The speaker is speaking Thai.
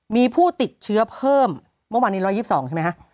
มีผู้ติดเชื้อเพิ่มเมื่อวานนี้๑๒๒ใช่ไหมคะ